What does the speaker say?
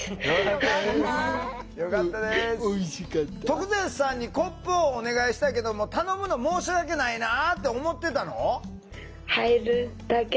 徳善さんにコップをお願いしたけども頼むの申し訳ないなあって思ってたの？